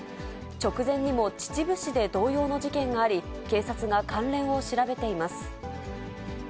直前にも秩父市で同様の事件があり、警察が関連を調べています。